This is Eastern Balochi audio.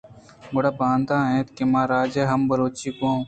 گُڑا باید اِنت کہ ما راج ءَ ھم بلوچی ءَ گوں